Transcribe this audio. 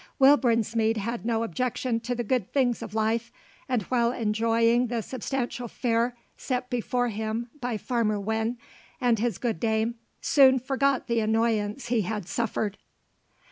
Will Brinsmead had no objection to the good things of life, and while enjoying the substantial fare set before him by Farmer Winn and his good dame, soon forgot the annoyance he had suffered.